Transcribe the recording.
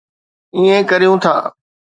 ائين ڪريون ٿا